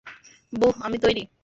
বোহ, আমি তৈরি।